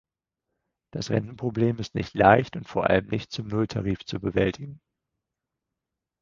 Das Rentenproblem ist nicht leicht und vor allem nicht zum Nulltarif zu bewältigen.